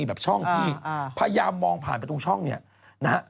แบบช่องพี่พยายามมองผ่านไปตรงช่องนี่นะฮะ